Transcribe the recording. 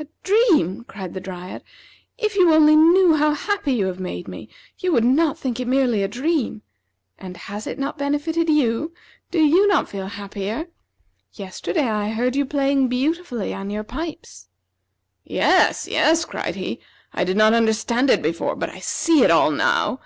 "A dream!" cried the Dryad; "if you only knew how happy you have made me, you would not think it merely a dream. And has it not benefited you? Do you not feel happier? Yesterday I heard you playing beautifully on your pipes." "Yes, yes," cried he. "I did not understand it before, but I see it all now.